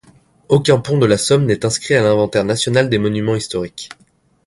Aucun pont de la Somme n’est inscrit à l’inventaire national des monuments historiques.